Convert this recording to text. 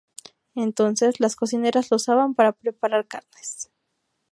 Entonces, las cocineras lo usaban para preparar carnes.